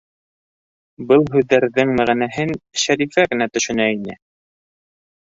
Был һүҙҙәрҙең мәғәнәһен Шәрифә генә төшөнә ине.